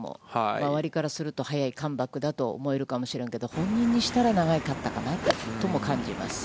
周りからすると、早いカムバックだと思えるかもしれんけど、本人にしたら、長かったかなとも感じます。